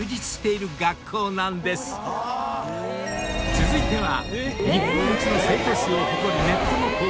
［続いては］